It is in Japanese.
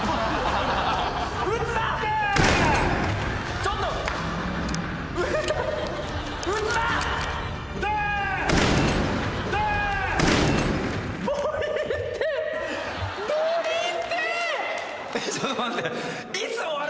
ちょっと待って。